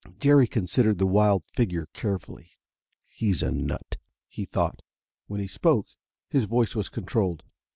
Jerry considered the wild figure carefully. "He's a nut," he thought. When he spoke, his voice was controlled.